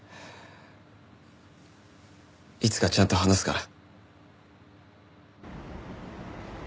いつかちゃんと話すから。